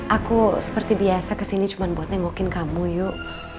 aku seperti biasa kesini cuma buat nengokin kamu yuk